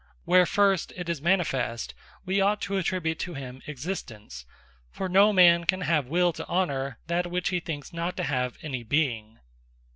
Where, First, it is manifest, we ought to attribute to him Existence: For no man can have the will to honour that, which he thinks not to have any Beeing.